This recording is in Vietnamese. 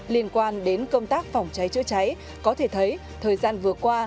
liên quan đến công tác phòng cháy chữa cháy có thể thấy thời gian vừa qua